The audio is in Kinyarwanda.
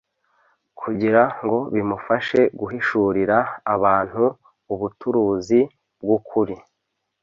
kugira ngo bimufashe guhishurira abantu ubuturuzi bw'ukuri,